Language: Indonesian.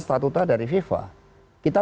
statuta dari fifa kita